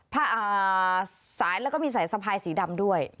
สายแล้วก็มีสายสะพายสีดำด้วย